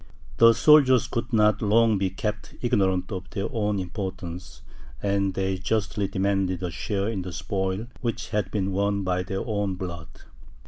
The soldiers could not long be kept ignorant of their own importance, and they justly demanded a share in the spoil which had been won by their own blood.